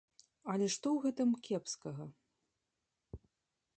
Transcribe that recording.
Але што ў гэтым кепскага?